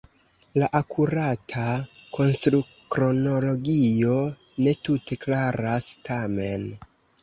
La akurata konstrukronologio ne tute klaras tamen.